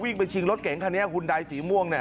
วิ่งไปชิงรถเก๋งค่ะเนี่ยหุ่นไดสีม่วงเนี่ย